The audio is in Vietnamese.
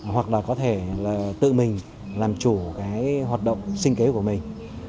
hoặc là có thể là tự mình làm chủ cái hoạt động sinh kế của mình